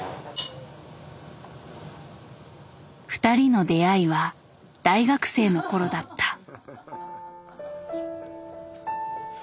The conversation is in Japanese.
２人の出会いは大学生の頃だった。